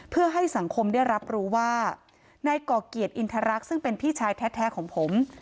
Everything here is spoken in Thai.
เพื่อให้สังคมได้รับรู้ว่านายก่อเกียรติอินทรรักษ์ซึ่งเป็นพี่ชายแท้ของผม